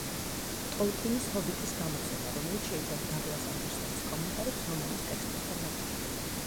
ტოლკინის „ჰობიტის“ გამოცემა, რომელიც შეიცავს დაგლას ანდერსონის კომენტარებს რომანის ტექსტებთან დაკავშირებით.